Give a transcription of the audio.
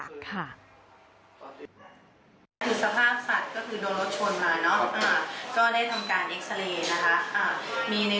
พบคุมหลอกทอดแล้วก็คำหนดไม่ได้